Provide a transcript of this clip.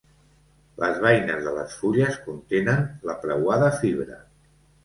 Les beines de les fulles contenen la preuada fibra.